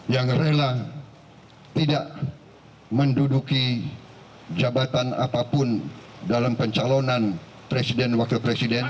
yang rela tidak menduduki jabatan apapun dalam pencalonan presiden wakil presiden